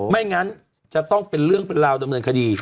ไม่งั้นจะต้องเป็นเรื่องเป็นราวดำเนินคดี